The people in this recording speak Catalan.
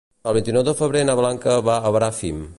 El vint-i-nou de febrer na Blanca va a Bràfim.